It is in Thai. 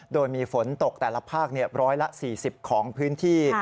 โดยมีฝนตกแต่ละภาคเนี่ยร้อยละ๔๐ของพื้นที่